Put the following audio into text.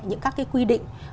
những các cái quy định